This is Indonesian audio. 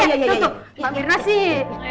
pak birna sih